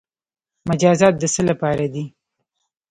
مجازات د څه لپاره دي؟